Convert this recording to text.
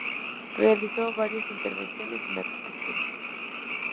Realizó varias intervenciones en arquitectura.